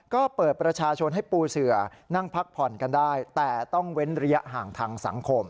ก็เปิดประชาชนให้ปูเสือนั่งพักผ่อนกันได้แต่ต้องเว้นระยะห่างทางสังคม